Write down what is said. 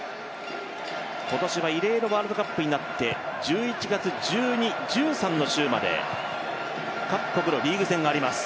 今年は異例のワールドカップになって１１月１２、１３の週まで各国のリーグ戦があります。